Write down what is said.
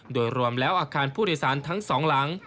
โดยรวมแล้วอาคารผู้โดยสารทั้งสองหลัง